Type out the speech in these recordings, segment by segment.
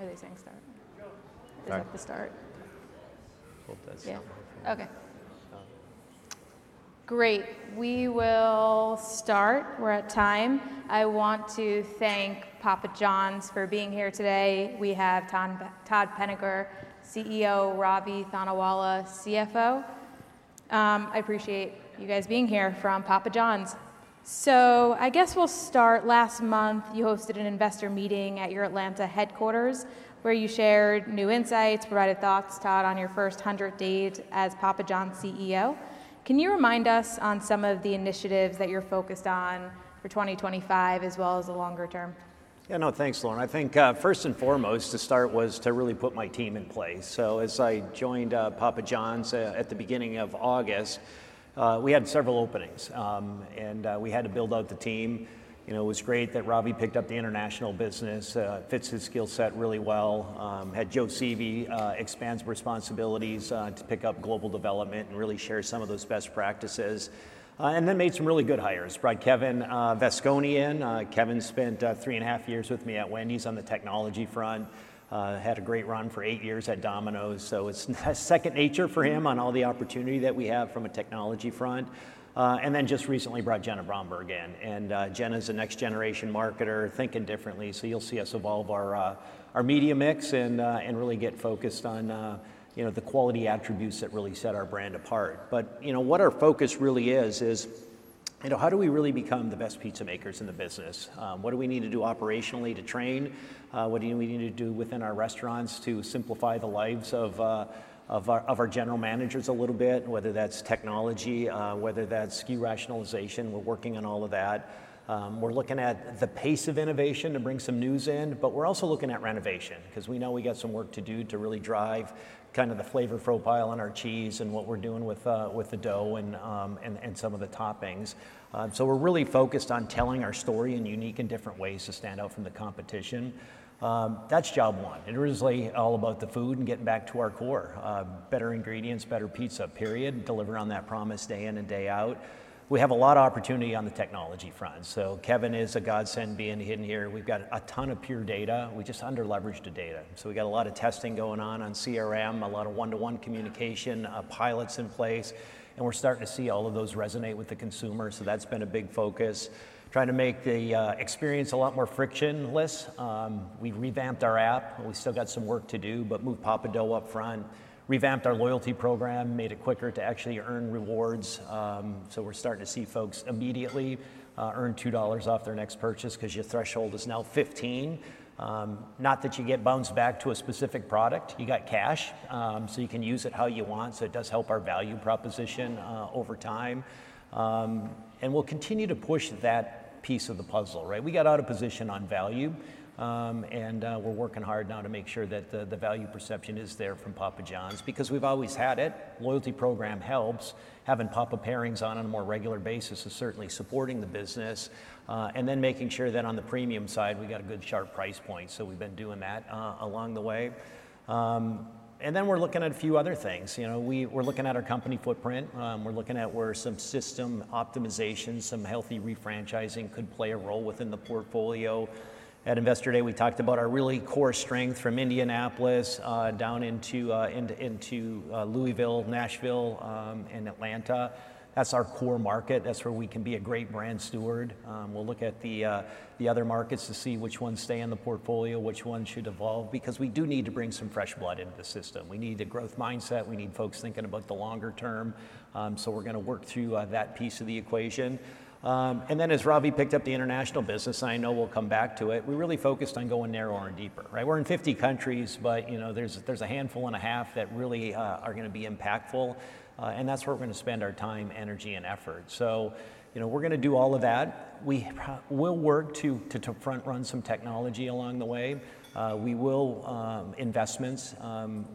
Are they saying start? No. Is that the start? Hold that stop for a second. Okay. Stop. Great. We will start. We're at time. I want to thank Papa Johns for being here today. We have Todd Penegor, CEO; Ravi Thanawala, CFO. I appreciate you guys being here from Papa Johns. So I guess we'll start. Last month, you hosted an investor meeting at your Atlanta headquarters, where you shared new insights, provided thoughts, Todd, on your first hundred days as Papa Johns CEO. Can you remind us on some of the initiatives that you're focused on for 2025, as well as the longer term? Yeah, no, thanks, Lauren. I think, first and foremost, to start was to really put my team in place. So as I joined Papa Johns at the beginning of August, we had several openings, and we had to build out the team. It was great that Ravi picked up the international business, fits his skill set really well, had Joe Sieve expand responsibilities to pick up global development and really share some of those best practices, and then made some really good hires. Brought Kevin Vasconi in. Kevin spent three and a half years with me at Wendy's on the technology front, had a great run for eight years at Domino's. So it's second nature for him on all the opportunity that we have from a technology front. And then just recently brought Jenna Bromberg in. And Jenna's a next-generation marketer, thinking differently. So you'll see us evolve our media mix and really get focused on the quality attributes that really set our brand apart. But what our focus really is, is how do we really become the best pizza makers in the business? What do we need to do operationally to train? What do we need to do within our restaurants to simplify the lives of our general managers a little bit, whether that's technology, whether that's SKU rationalization? We're working on all of that. We're looking at the pace of innovation to bring some news in, but we're also looking at renovation because we know we got some work to do to really drive kind of the flavor profile on our cheese and what we're doing with the dough and some of the toppings. So we're really focused on telling our story in unique and different ways to stand out from the competition. That's job one. It is really all about the food and getting back to our core: better ingredients, better pizza, period, deliver on that promise day in and day out. We have a lot of opportunity on the technology front. So Kevin is a godsend being hired here. We've got a ton of pure data. We just under-leveraged the data. So we got a lot of testing going on CRM, a lot of one-to-one communication, pilots in place, and we're starting to see all of those resonate with the consumer. So that's been a big focus, trying to make the experience a lot more frictionless. We've revamped our app. We still got some work to do, but moved Papa Dough up front, revamped our loyalty program, made it quicker to actually earn rewards. So we're starting to see folks immediately earn $2 off their next purchase because your threshold is now 15. Not that you get bones back to a specific product. You got cash, so you can use it how you want. So it does help our value proposition over time. And we'll continue to push that piece of the puzzle, right? We got out of position on value, and we're working hard now to make sure that the value perception is there from Papa Johns because we've always had it. Loyalty program helps. Having Papa Pairings on a more regular basis is certainly supporting the business. And then making sure that on the premium side, we got a good sharp price point. So we've been doing that along the way. And then we're looking at a few other things. We're looking at our company footprint. We're looking at where some system optimization, some healthy refranchising could play a role within the portfolio. At Investor Day, we talked about our really core strength from Indianapolis down into Louisville, Nashville, and Atlanta. That's our core market. That's where we can be a great brand steward. We'll look at the other markets to see which ones stay in the portfolio, which ones should evolve, because we do need to bring some fresh blood into the system. We need a growth mindset. We need folks thinking about the longer term. So we're going to work through that piece of the equation. And then as Ravi picked up the international business, I know we'll come back to it. We really focused on going narrower and deeper, right? We're in 50 countries, but there's a handful and a half that really are going to be impactful, and that's where we're going to spend our time, energy, and effort. So we're going to do all of that. We will work to front-run some technology along the way. We will make investments.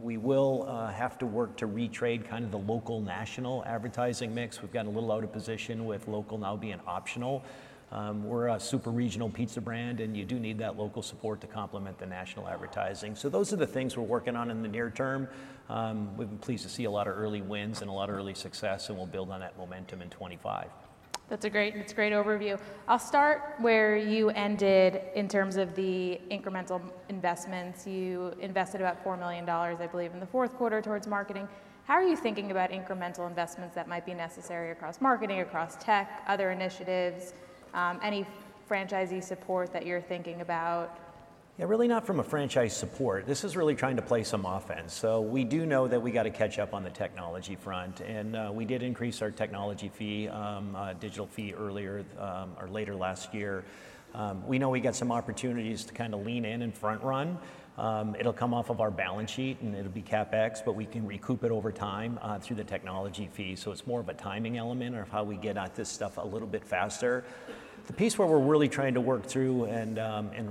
We will have to work to retrade kind of the local national advertising mix. We've got a little out of position with local now being optional. We're a super regional pizza brand, and you do need that local support to complement the national advertising. So those are the things we're working on in the near term. We've been pleased to see a lot of early wins and a lot of early success, and we'll build on that momentum in 2025. That's a great overview. I'll start where you ended in terms of the incremental investments. You invested about $4 million, I believe, in the fourth quarter towards marketing. How are you thinking about incremental investments that might be necessary across marketing, across tech, other initiatives, any franchisee support that you're thinking about? Yeah, really not from a franchise support. This is really trying to play some offense. So we do know that we got to catch up on the technology front, and we did increase our technology fee, digital fee earlier or later last year. We know we got some opportunities to kind of lean in and front-run. It'll come off of our balance sheet, and it'll be CapEx, but we can recoup it over time through the technology fee. So it's more of a timing element of how we get at this stuff a little bit faster. The piece where we're really trying to work through, and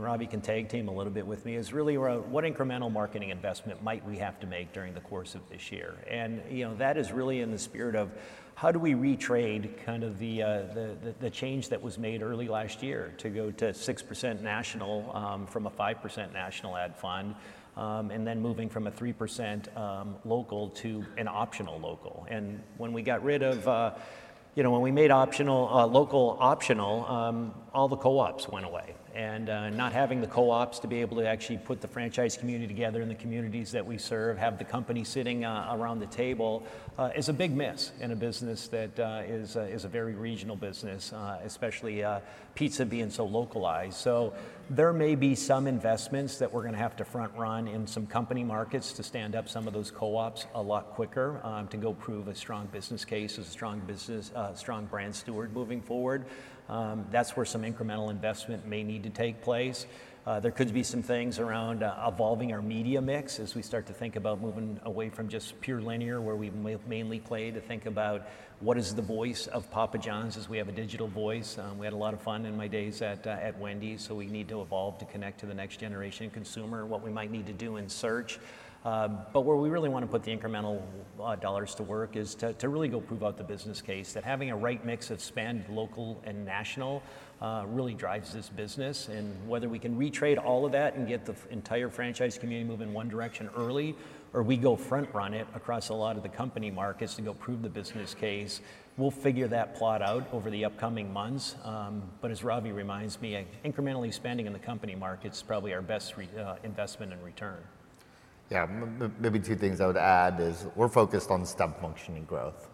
Ravi can tag team a little bit with me, is really what incremental marketing investment we might have to make during the course of this year? And that is really in the spirit of how do we retrade kind of the change that was made early last year to go to 6% national from a 5% national ad fund, and then moving from a 3% local to an optional local. And when we got rid of, when we made local optional, all the co-ops went away. And not having the co-ops to be able to actually put the franchise community together in the communities that we serve, have the company sitting around the table, is a big miss in a business that is a very regional business, especially pizza being so localized. So there may be some investments that we're going to have to front-run in some company markets to stand up some of those co-ops a lot quicker to go prove a strong business case as a strong brand steward moving forward. That's where some incremental investment may need to take place. There could be some things around evolving our media mix as we start to think about moving away from just pure linear, where we mainly play to think about what is the voice of Papa Johns as we have a digital voice. We had a lot of fun in my days at Wendy's, so we need to evolve to connect to the next generation consumer, what we might need to do in search. But where we really want to put the incremental dollars to work is to really go prove out the business case that having a right mix of spend, local, and national really drives this business. Whether we can retrade all of that and get the entire franchise community moving one direction early, or we go front-run it across a lot of the company markets to go prove the business case, we'll figure that plan out over the upcoming months. As Ravi reminds me, incrementally spending in the company markets is probably our best investment in return. Yeah, maybe two things I would add is we're focused on sustainable functioning growth.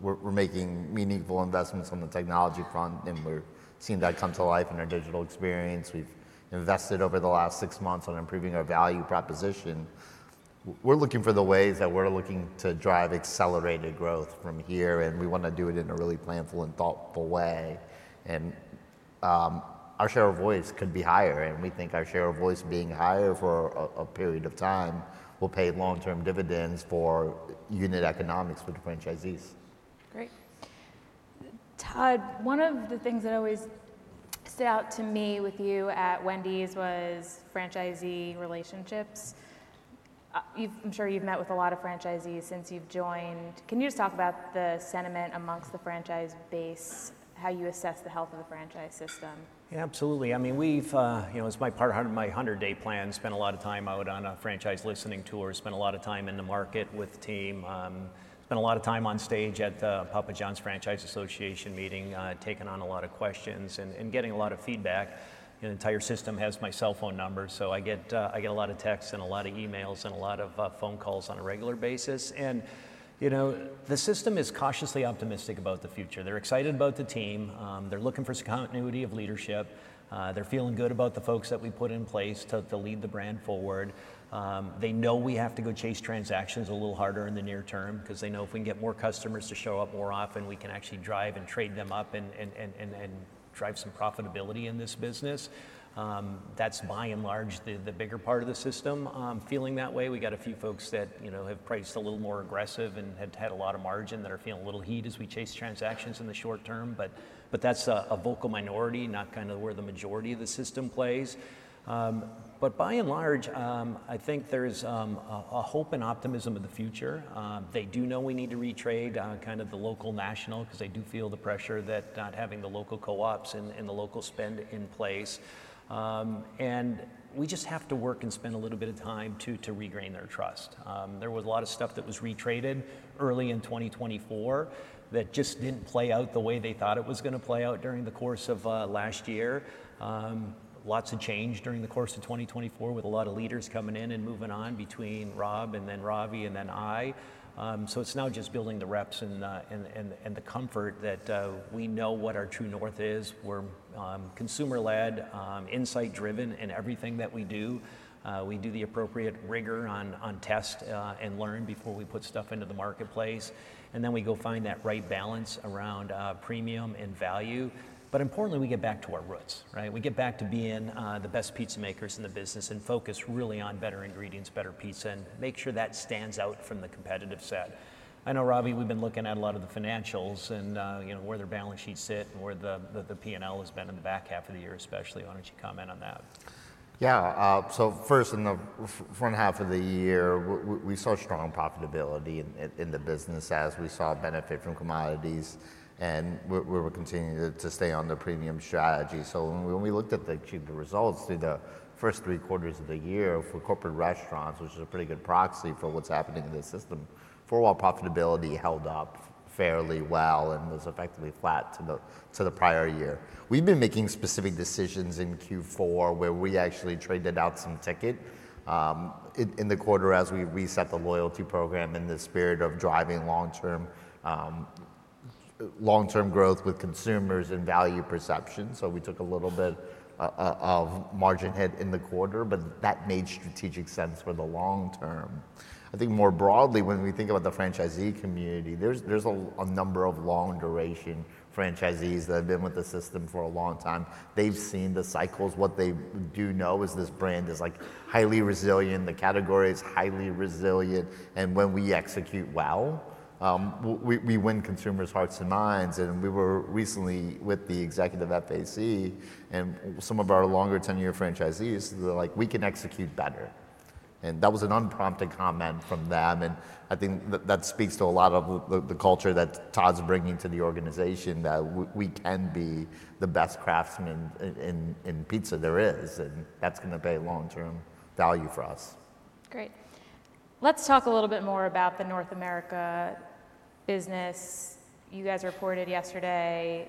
We're making meaningful investments on the technology front, and we're seeing that come to life in our digital experience. We've invested over the last six months on improving our value proposition. We're looking for the ways that we're looking to drive accelerated growth from here, and we want to do it in a really planful and thoughtful way. And our share of voice could be higher, and we think our share of voice being higher for a period of time will pay long-term dividends for unit economics with franchisees. Great. Todd, one of the things that always stood out to me with you at Wendy's was franchisee relationships. I'm sure you've met with a lot of franchisees since you've joined. Can you just talk about the sentiment amongst the franchise base, how you assess the health of the franchise system? Yeah, absolutely. I mean, it's part of my 100-day plan. I spend a lot of time out on a franchise listening tour. I spend a lot of time in the market with the team. I spend a lot of time on stage at the Papa Johns Franchise Association meeting, taking on a lot of questions and getting a lot of feedback. The entire system has my cell phone number, so I get a lot of texts and a lot of emails and a lot of phone calls on a regular basis, and the system is cautiously optimistic about the future. They're excited about the team. They're looking for continuity of leadership. They're feeling good about the folks that we put in place to lead the brand forward. They know we have to go chase transactions a little harder in the near term because they know if we can get more customers to show up more often, we can actually drive and trade them up and drive some profitability in this business. That's by and large the bigger part of the system. I'm feeling that way. We got a few folks that have priced a little more aggressive and have had a lot of margin that are feeling a little heat as we chase transactions in the short term, but that's a vocal minority, not kind of where the majority of the system plays. But by and large, I think there's a hope and optimism of the future. They do know we need to retrade kind of the local national because they do feel the pressure that having the local co-ops and the local spend in place. And we just have to work and spend a little bit of time to regain their trust. There was a lot of stuff that was retraded early in 2024 that just didn't play out the way they thought it was going to play out during the course of last year. Lots of change during the course of 2024 with a lot of leaders coming in and moving on between Rob and then Ravi and then I. So it's now just building the reps and the comfort that we know what our true north is. We're consumer-led, insight-driven in everything that we do. We do the appropriate rigor on test and learn before we put stuff into the marketplace. And then we go find that right balance around premium and value. But importantly, we get back to our roots, right? We get back to being the best pizza makers in the business and focus really on better ingredients, better pizza, and make sure that stands out from the competitive set. I know, Ravi, we've been looking at a lot of the financials and where their balance sheets sit and where the P&L has been in the back half of the year, especially. Why don't you comment on that? Yeah. So first, in the front half of the year, we saw strong profitability in the business as we saw benefit from commodities, and we were continuing to stay on the premium strategy. So when we looked at the results through the first three quarters of the year for corporate restaurants, which is a pretty good proxy for what's happening in the system, four-wall profitability held up fairly well and was effectively flat to the prior year. We've been making specific decisions in Q4 where we actually traded out some ticket in the quarter as we reset the loyalty program in the spirit of driving long-term growth with consumers and value perception. So we took a little bit of margin hit in the quarter, but that made strategic sense for the long term. I think more broadly, when we think about the franchisee community, there's a number of long-duration franchisees that have been with the system for a long time. They've seen the cycles. What they do know is this brand is highly resilient. The category is highly resilient. And when we execute well, we win consumers' hearts and minds. And we were recently with the Executive FAC and some of our longer-tenure franchisees that we can execute better. And that was an unprompted comment from them. And I think that speaks to a lot of the culture that Todd's bringing to the organization that we can be the best craftsmen in pizza there is, and that's going to pay long-term value for us. Great. Let's talk a little bit more about the North America business. You guys reported yesterday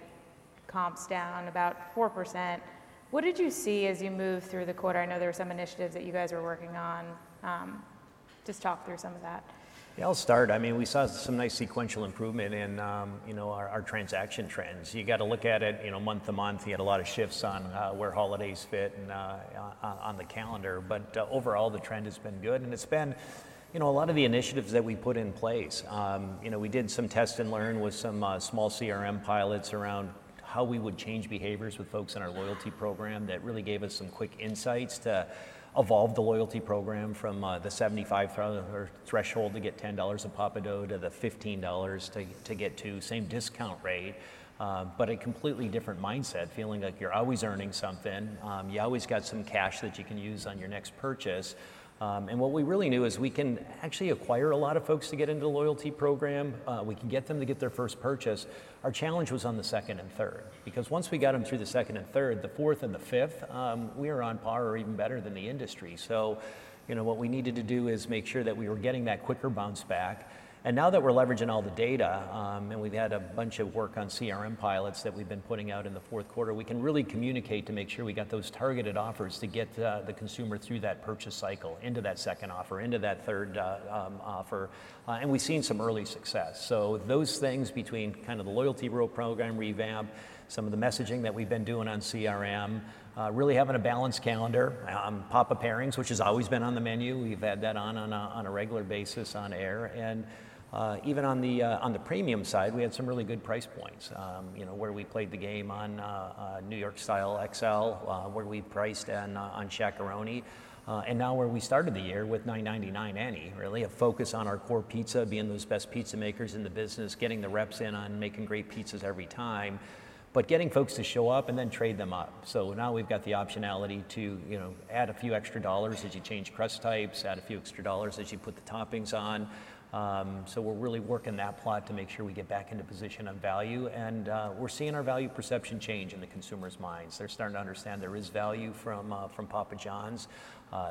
comps down about 4%. What did you see as you moved through the quarter? I know there were some initiatives that you guys were working on. Just talk through some of that. Yeah, I'll start. I mean, we saw some nice sequential improvement in our transaction trends. You got to look at it month to month. You had a lot of shifts on where holidays fit and on the calendar. But overall, the trend has been good. And it's been a lot of the initiatives that we put in place. We did some test and learn with some small CRM pilots around how we would change behaviors with folks in our loyalty program that really gave us some quick insights to evolve the loyalty program from the $75 threshold to get $10 a Papa Dough to the $15 to get to same discount rate. But a completely different mindset, feeling like you're always earning something. You always got some cash that you can use on your next purchase. And what we really knew is we can actually acquire a lot of folks to get into the loyalty program. We can get them to get their first purchase. Our challenge was on the second and third because once we got them through the second and third, the fourth and the fifth, we are on par or even better than the industry. So what we needed to do is make sure that we were getting that quicker bounce back. And now that we're leveraging all the data and we've had a bunch of work on CRM pilots that we've been putting out in the fourth quarter, we can really communicate to make sure we got those targeted offers to get the consumer through that purchase cycle into that second offer, into that third offer. And we've seen some early success. Those things between kind of the loyalty program revamp, some of the messaging that we've been doing on CRM, really having a balanced calendar, Papa Pairings, which has always been on the menu. We've had that on a regular basis on air. Even on the premium side, we had some really good price points where we played the game on New York Style XL, where we priced on Shaq-a-Roni. Now where we started the year with $9.99 any, really a focus on our core pizza being those best pizza makers in the business, getting the reps in on making great pizzas every time, but getting folks to show up and then trade them up. Now we've got the optionality to add a few extra dollars as you change crust types, add a few extra dollars as you put the toppings on. So we're really working that a lot to make sure we get back into position on value. And we're seeing our value perception change in the consumer's minds. They're starting to understand there is value from Papa Johns.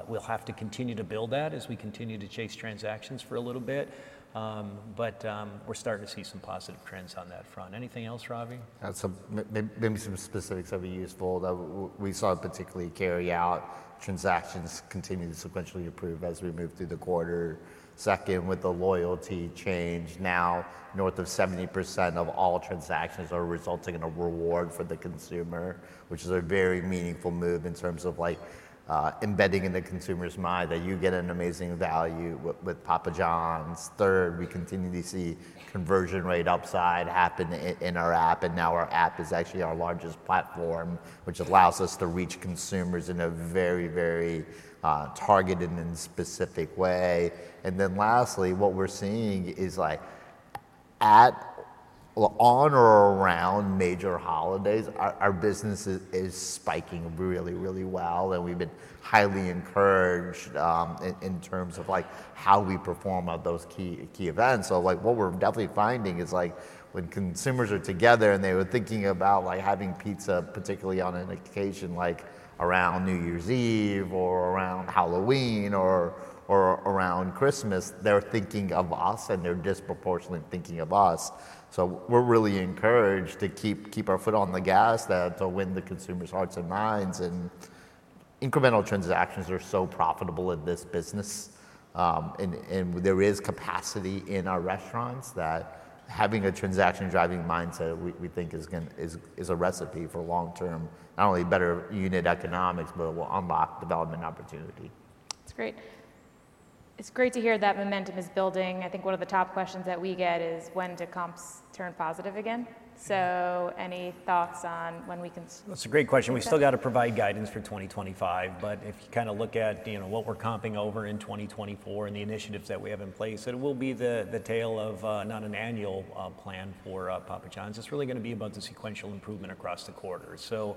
We'll have to continue to build that as we continue to chase transactions for a little bit. But we're starting to see some positive trends on that front. Anything else, Ravi? Maybe some specifics that would be useful that we saw particularly carry out transactions continue to sequentially improve as we move through the quarter. Second, with the loyalty change, now north of 70% of all transactions are resulting in a reward for the consumer, which is a very meaningful move in terms of embedding in the consumer's mind that you get an amazing value with Papa Johns. Third, we continue to see conversion rate upside happen in our app, and now our app is actually our largest platform, which allows us to reach consumers in a very, very targeted and specific way, and then lastly, what we're seeing is on or around major holidays, our business is spiking really, really well, and we've been highly encouraged in terms of how we perform at those key events. So what we're definitely finding is when consumers are together and they were thinking about having pizza, particularly on an occasion like around New Year's Eve or around Halloween or around Christmas, they're thinking of us and they're disproportionately thinking of us. So we're really encouraged to keep our foot on the gas to win the consumers' hearts and minds. And incremental transactions are so profitable in this business. And there is capacity in our restaurants that having a transaction-driving mindset, we think, is a recipe for long-term, not only better unit economics, but it will unlock development opportunity. That's great. It's great to hear that momentum is building. I think one of the top questions that we get is when do comps turn positive again? So any thoughts on when we can? That's a great question. We still got to provide guidance for 2025. But if you kind of look at what we're comping over in 2024 and the initiatives that we have in place, it will be the tail of not an annual plan for Papa Johns. It's really going to be about the sequential improvement across the quarter. So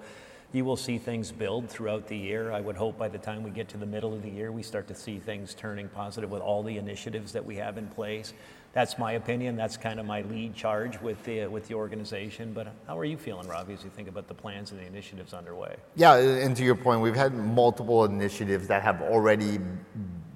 you will see things build throughout the year. I would hope by the time we get to the middle of the year, we start to see things turning positive with all the initiatives that we have in place. That's my opinion. That's kind of my lead charge with the organization. But how are you feeling, Ravi, as you think about the plans and the initiatives underway? Yeah, and to your point, we've had multiple initiatives that have already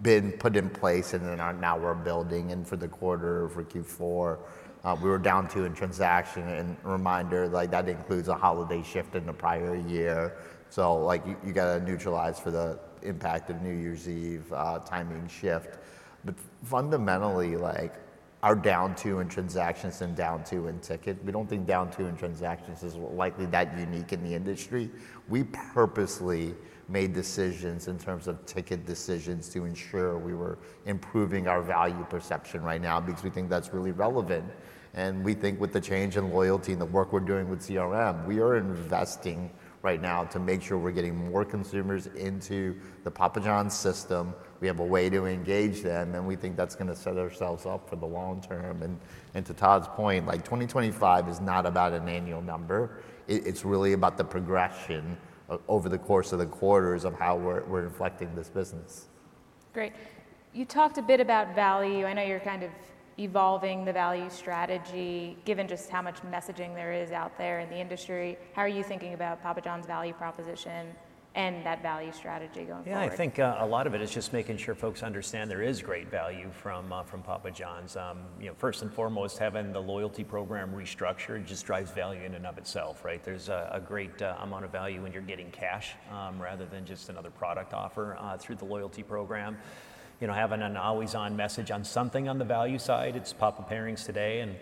been put in place and then now we're building. For the quarter, for Q4, we were down two in transactions. Reminder, that includes a holiday shift in the prior year. So you got to neutralize for the impact of New Year's Eve timing shift. But fundamentally, we're down two in transactions and down two in ticket. We don't think down two in transactions is likely that unique in the industry. We purposely made decisions in terms of ticket decisions to ensure we were improving our value perception right now because we think that's really relevant. We think with the change in loyalty and the work we're doing with CRM, we are investing right now to make sure we're getting more consumers into the Papa Johns system. We have a way to engage them, and we think that's going to set ourselves up for the long term, and to Todd's point, 2025 is not about an annual number. It's really about the progression over the course of the quarters of how we're inflecting this business. Great. You talked a bit about value. I know you're kind of evolving the value strategy given just how much messaging there is out there in the industry. How are you thinking about Papa Johns value proposition and that value strategy going forward? Yeah, I think a lot of it is just making sure folks understand there is great value from Papa Johns. First and foremost, having the loyalty program restructured just drives value in and of itself, right? There's a great amount of value when you're getting cash rather than just another product offer through the loyalty program. Having an always-on message on something on the value side, it's Papa Pairings today. And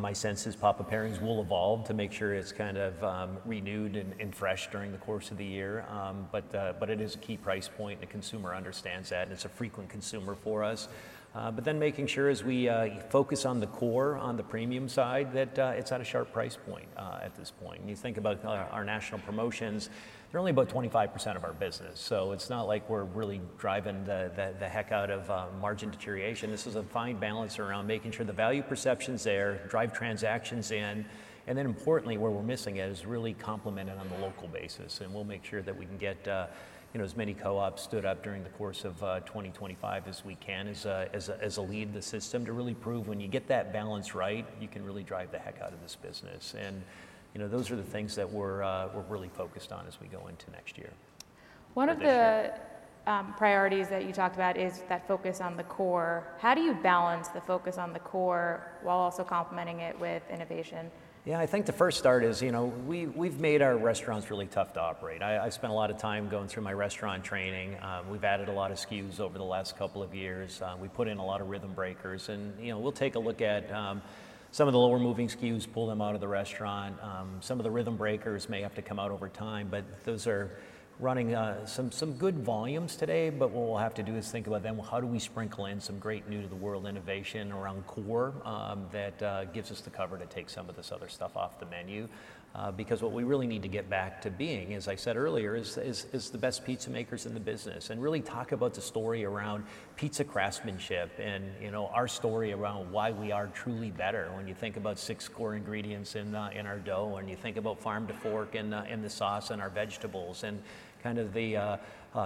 my sense is Papa Pairings will evolve to make sure it's kind of renewed and fresh during the course of the year. But it is a key price point, and the consumer understands that, and it's a frequent consumer for us. But then making sure as we focus on the core on the premium side that it's at a sharp price point at this point. When you think about our national promotions, they're only about 25% of our business. So it's not like we're really driving the heck out of margin deterioration. This is a fine balance around making sure the value perception's there, drive transactions in. And then importantly, where we're missing it is really complementing on the local basis. And we'll make sure that we can get as many co-ops stood up during the course of 2025 as we can as a lead in the system to really prove when you get that balance right, you can really drive the heck out of this business. And those are the things that we're really focused on as we go into next year. One of the priorities that you talked about is that focus on the core. How do you balance the focus on the core while also complementing it with innovation? Yeah, I think the first start is we've made our restaurants really tough to operate. I spent a lot of time going through my restaurant training. We've added a lot of SKUs over the last couple of years. We put in a lot of rhythm breakers, and we'll take a look at some of the lower-moving SKUs, pull them out of the restaurant. Some of the rhythm breakers may have to come out over time, but those are running some good volumes today, but what we'll have to do is think about them. How do we sprinkle in some great new-to-the-world innovation around core that gives us the cover to take some of this other stuff off the menu? Because what we really need to get back to being, as I said earlier, is the best pizza makers in the business and really talk about the story around pizza craftsmanship and our story around why we are truly better. When you think about six core ingredients in our dough and you think about farm to fork and the sauce and our vegetables and kind of the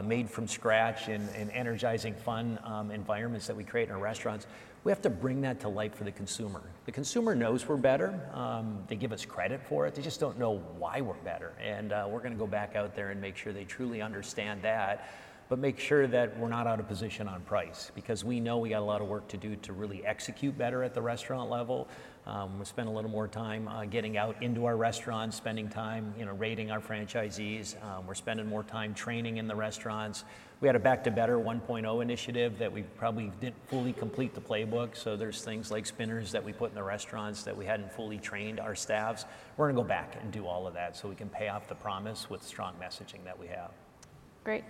made-from-scratch and energizing fun environments that we create in our restaurants, we have to bring that to light for the consumer. The consumer knows we're better. They give us credit for it. They just don't know why we're better. And we're going to go back out there and make sure they truly understand that, but make sure that we're not out of position on price because we know we got a lot of work to do to really execute better at the restaurant level. We spend a little more time getting out into our restaurants, spending time rating our franchisees. We're spending more time training in the restaurants. We had a Back to Better 1.0 initiative that we probably didn't fully complete the playbook. So there's things like spinners that we put in the restaurants that we hadn't fully trained our staffs. We're going to go back and do all of that so we can pay off the promise with strong messaging that we have. Great.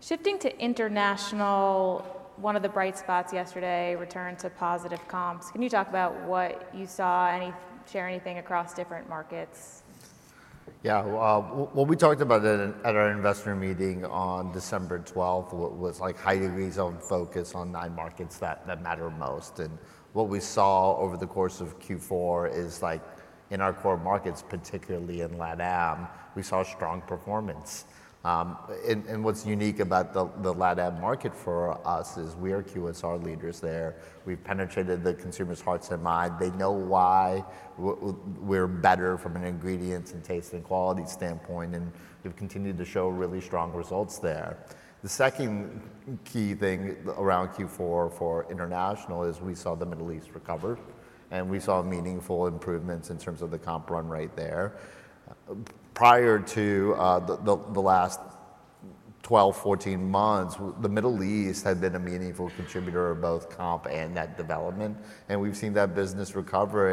Shifting to international, one of the bright spots yesterday, return to positive comps. Can you talk about what you saw? Share anything across different markets. Yeah, what we talked about at our investor meeting on December 12th was high degrees of focus on nine markets that matter most. And what we saw over the course of Q4 is in our core markets, particularly in LATAM, we saw strong performance. And what's unique about the LATAM market for us is we are QSR leaders there. We've penetrated the consumers' hearts and minds. They know why we're better from an ingredients and taste and quality standpoint. And we've continued to show really strong results there. The second key thing around Q4 for international is we saw the Middle East recover. And we saw meaningful improvements in terms of the comp run rate there. Prior to the last 12, 14 months, the Middle East had been a meaningful contributor of both comp and net development. And we've seen that business recover.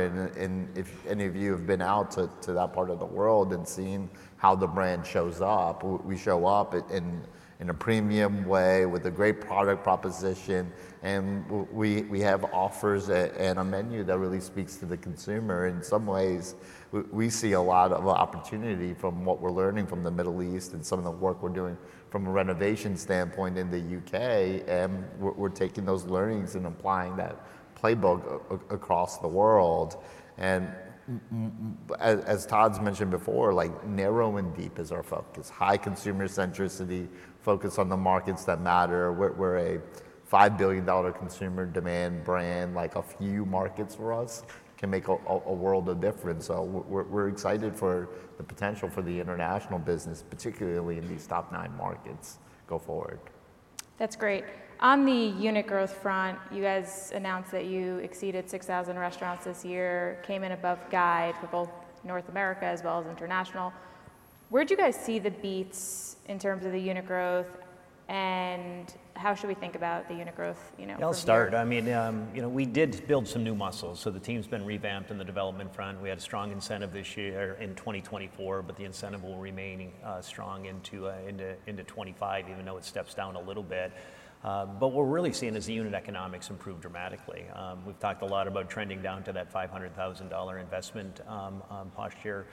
If any of you have been out to that part of the world and seen how the brand shows up, we show up in a premium way with a great product proposition. We have offers and a menu that really speaks to the consumer. In some ways, we see a lot of opportunity from what we're learning from the Middle East and some of the work we're doing from a renovation standpoint in the U.K. We're taking those learnings and applying that playbook across the world. As Todd's mentioned before, narrow and deep is our focus. High consumer centricity, focus on the markets that matter. We're a $5 billion consumer demand brand. A few markets for us can make a world of difference. We're excited for the potential for the international business, particularly in these top nine markets go forward. That's great. On the unit growth front, you guys announced that you exceeded 6,000 restaurants this year, came in above guide for both North America as well as international. Where do you guys see the beats in terms of the unit growth, and how should we think about the unit growth? I'll start. I mean, we did build some new muscles. So the team's been revamped in the development front. We had a strong incentive this year in 2024, but the incentive will remain strong into 2025, even though it steps down a little bit. But what we're really seeing is the unit economics improve dramatically. We've talked a lot about trending down to that $500,000 investment posture.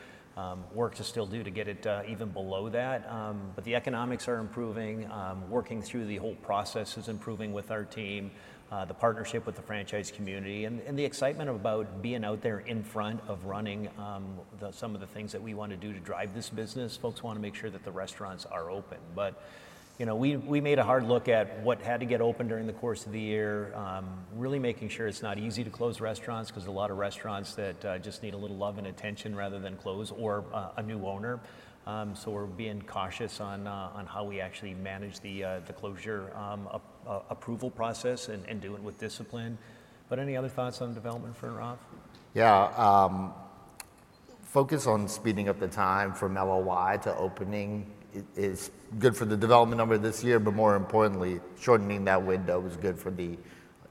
Work is still due to get it even below that. But the economics are improving. Working through the whole process is improving with our team, the partnership with the franchise community, and the excitement about being out there in front of running some of the things that we want to do to drive this business. Folks want to make sure that the restaurants are open. But we took a hard look at what had to be closed during the course of the year, really making sure it's not easy to close restaurants because a lot of restaurants that just need a little love and attention rather than close or a new owner. So we're being cautious on how we actually manage the closure approval process and do it with discipline. But any other thoughts on development for Ravi? Yeah, focus on speeding up the time from LOY to opening is good for the development number this year, but more importantly, shortening that window is good for the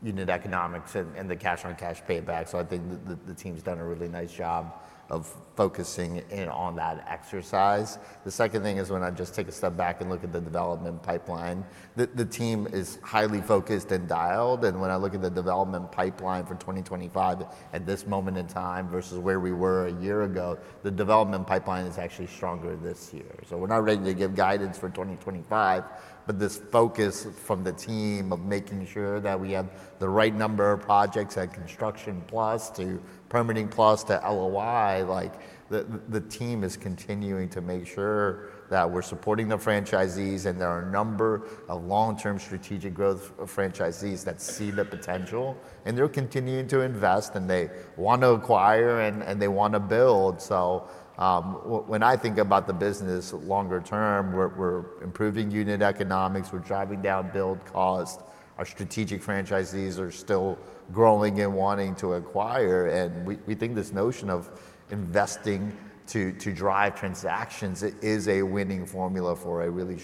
unit economics and the cash on cash payback. So I think the team's done a really nice job of focusing on that exercise. The second thing is when I just take a step back and look at the development pipeline, the team is highly focused and dialed. And when I look at the development pipeline for 2025 at this moment in time versus where we were a year ago, the development pipeline is actually stronger this year. So we're not ready to give guidance for 2025, but this focus from the team of making sure that we have the right number of projects at construction plus to permitting plus to LOY. The team is continuing to make sure that we're supporting the franchisees. And there are a number of long-term strategic growth franchisees that see the potential. And they're continuing to invest, and they want to acquire, and they want to build. So when I think about the business longer term, we're improving unit economics. We're driving down build cost. Our strategic franchisees are still growing and wanting to acquire. And we think this notion of investing to drive transactions is a winning formula for a really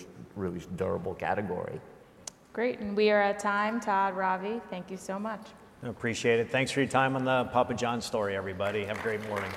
durable category. Great, and we are at time. Todd, Ravi, thank you so much. Appreciate it. Thanks for your time on the Papa Johns story, everybody. Have a great morning.